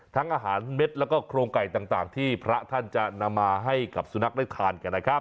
ทั้งอาหารเม็ดแล้วก็โครงไก่ต่างที่พระท่านจะนำมาให้กับสุนัขได้ทานกันนะครับ